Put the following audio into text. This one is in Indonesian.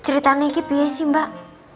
ceritanya ini biasa mbak